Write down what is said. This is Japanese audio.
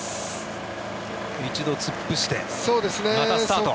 一度、突っ伏してまたスタート。